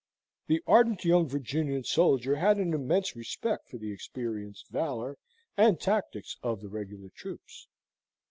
The ardent young Virginian soldier had an immense respect for the experienced valour and tactics of the regular troops.